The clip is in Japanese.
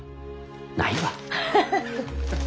ないわ。